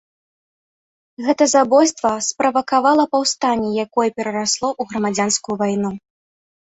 Гэта забойства справакавала паўстанне, якое перарасло ў грамадзянскую вайну.